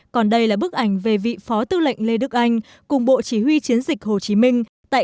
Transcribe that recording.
còn đây là bức ảnh về vị phó tư lệnh lê đức anh cùng bộ chỉ huy chiến dịch hồ chí minh tại